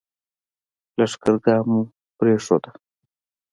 لښکرګاه مو پرېښوده.